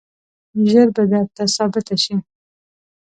ژر به درته ثابته شي.